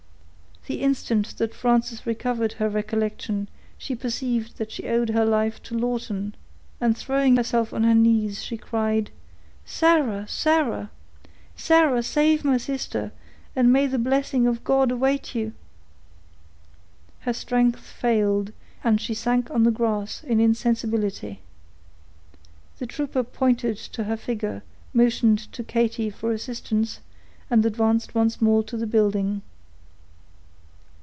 The instant that Frances recovered her recollection, she perceived that she owed her life Lo Lawton, and throwing herself on her knees, she cried,— "Sarah! Sarah! Sarah! save my sister, and may the blessing of God await you!" Her strength failed, and she sank on the grass, in insensibility. The trooper pointed to her figure, motioned to Katy for assistance, and advanced once more to the building.